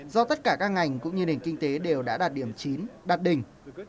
do tất cả các ngành cũng như nền kinh tế đều đã đạt điểm chín đạt đỉnh